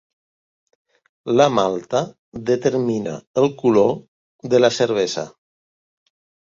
La malta determina el color de la cervesa.